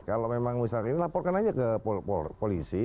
kalau memang misalkan ini laporkan aja ke polisi